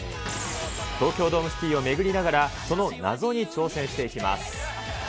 東京ドームシティを巡りながら、その謎に挑戦していきます。